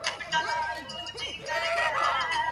دې سړي تل مسواک کارولی دی.